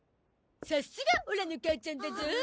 さすがオラの母ちゃんだゾ！